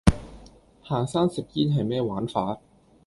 行山食煙係咩玩法?